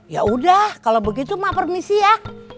yaudah kalau begitu mak permisi ya